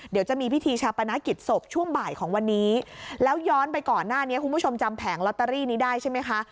เดี๋ยวจะมีพิธีชาปนกิจศพช่วงบ่ายของวันนี้แล้วย้อนไปก่อนหน้านี้คุณผู้ชมจำแผงลอตเตอรี่นี้ได้ใช่ไหมคะ